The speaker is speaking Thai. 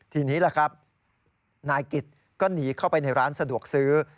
ทีนี้ล่ะครับนายกิจก็หนีเข้าไปในร้านสะดวกซื้อ